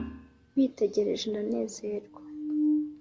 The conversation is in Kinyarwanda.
nkwitegereje ndanezerwa